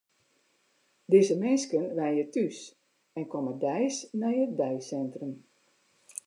Dizze minsken wenje thús en komme deis nei it deisintrum.